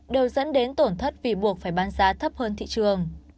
đều dẫn đến tổn thất vì buộc phải bán giá thấp hơn thị trường